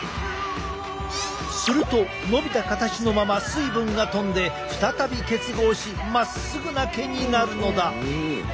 すると伸びた形のまま水分が飛んで再び結合しまっすぐな毛になるのだ。